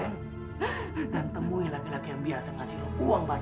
dan temui laki laki yang biasa ngasih lo uang banyak